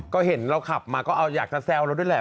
ก็เห็นเราขับมาก็เอาอยากจะแซวเราด้วยแหละ